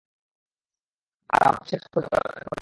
আর আমরা পৌঁছে কাজ জোগাড় করে নেব।